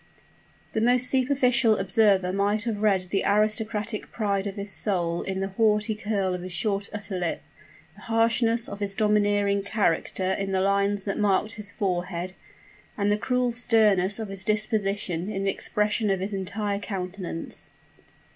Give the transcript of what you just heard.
The most superficial observer might have read the aristocratic pride of his soul in the haughty curl of his short upper lip, the harshness of his domineering character in the lines that marked his forehead, and the cruel sternness of his disposition in the expression of his entire countenance.